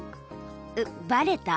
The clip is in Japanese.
うっバレた？